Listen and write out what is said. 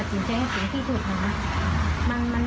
อุปกรณ์ที่เราไว้วางใจครูมากแล้วก็อุปกรณ์อย่างนั้นกับลูก